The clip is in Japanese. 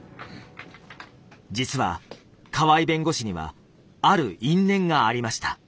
実は河合弁護士にはある因縁がありました。